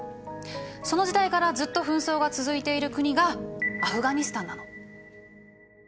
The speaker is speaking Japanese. その時代からずっと紛争が続いている国がアフガニスタンなの。